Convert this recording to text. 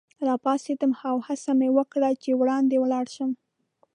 راپاڅېدم او هڅه مې وکړل چي وړاندي ولاړ شم.